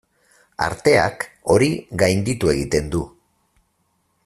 Arteak hori gainditu egiten du.